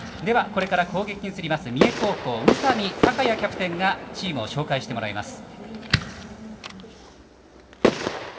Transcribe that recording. これから攻撃に移る三重高校の宇佐美貴也キャプテンにチームを紹介してもらいます。